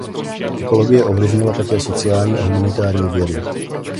Ekologie ovlivnila také sociální a humanitní vědy.